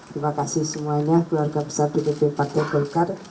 terima kasih semuanya keluarga besar dpp partai golkar